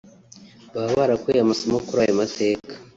bakaba barakuye amasomo muri ayo mateka